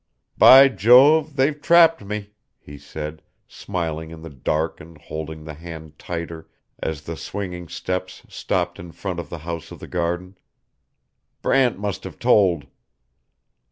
"By Jove, they've trapped me," he said, smiling in the dark and holding the hand tighter as the swinging steps stopped in front of the house of the garden. "Brant must have told."